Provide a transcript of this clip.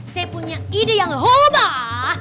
saya punya ide yang hobah